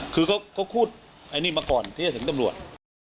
คือเขาพูดไอ้นี่มาก่อนที่จะถึงตำรวจ